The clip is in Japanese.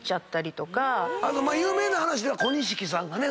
有名な話では小錦さんがね。